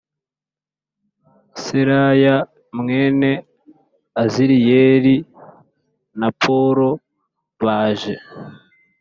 Seraya mwene Aziriyeli na polo baje